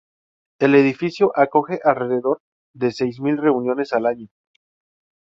El edificio acoge alrededor de seis mil reuniones al año.